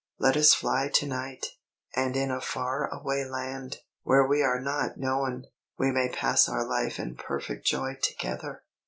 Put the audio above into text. Let us fly to night, and in a far away land, where we are not known, we may pass our life in perfect joy together!"